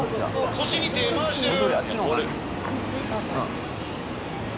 腰に手回してる！